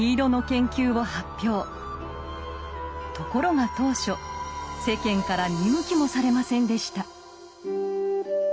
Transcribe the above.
ところが当初世間から見向きもされませんでした。